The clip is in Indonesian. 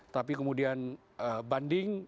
tapi kemudian banding